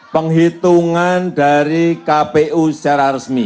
penghitungan dari kpu secara resmi